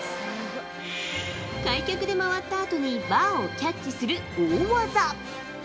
開脚で回ったあとにバーをキャッチする大技。